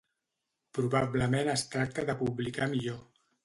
Probablement es tracta de publicar millor.